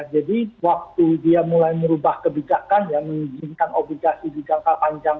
jadi waktu dia mulai merubah kebijakan yang mengizinkan obligasi di jangka panjang